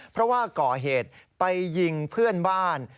เพราะว่าก่อเหตุไปยิงเพื่อนบ้าน